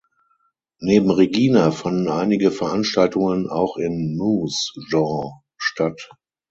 Neben Regina fanden einige Veranstaltungen auch in Moose Jaw statt.